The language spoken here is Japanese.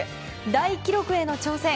大記録への挑戦